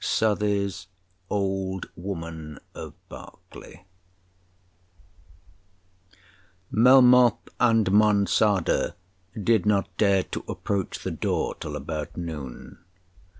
SOUTHEY'S Old Woman of Berkeley Melmoth and Monçada did not dare to approach the door till about noon.